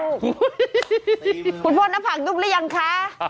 ทุกคุณผู้หน้าผากยุ่มหรือยังคะ